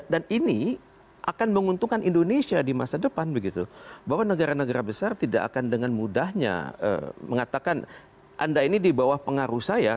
dan ini akan menguntungkan indonesia di masa depan bahwa negara negara besar tidak akan dengan mudahnya mengatakan anda ini di bawah pengaruh saya